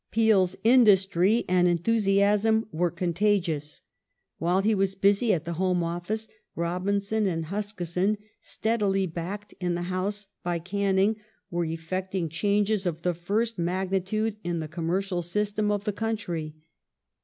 \'? Peel's industry and' enthusiasm were contagious. While he was Financial busy at the Home Office, Robinson and Huskisson,* steadily backed ^"^ ^^cal in the House by Canning, were effecting changes of the first magni ^ tude in the commercial system of the country.